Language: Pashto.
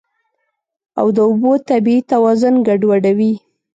او د اوبو طبیعي توازن ګډوډوي.